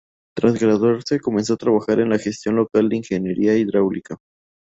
Tras graduarse, comenzó a trabajar en la gestión local de ingeniería hidráulica.